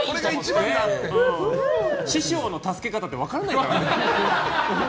師匠の助け方って分からないからね。